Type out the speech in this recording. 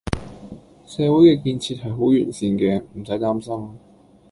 社會嘅建設係好完善嘅，唔駛擔心